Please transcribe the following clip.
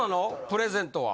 プレゼントは。